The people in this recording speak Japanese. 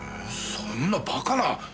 そんなバカな。